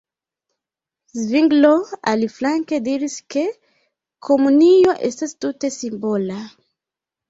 Zvinglo, aliflanke, diris, ke komunio estas tute simbola.